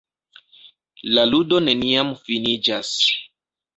La ludo neniam finiĝas.